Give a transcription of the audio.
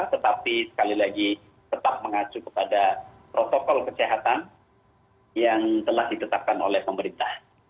tetapi sekali lagi tetap mengacu kepada protokol kesehatan yang telah ditetapkan oleh pemerintah